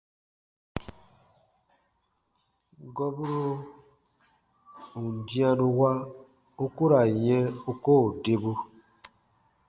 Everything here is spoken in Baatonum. Gɔburo ù n dĩanu wa, u ku ra n yɛ̃ u koo debu.